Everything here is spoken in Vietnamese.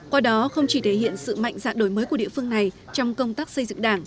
qua đó không chỉ thể hiện sự mạnh dạng đổi mới của địa phương này trong công tác xây dựng đảng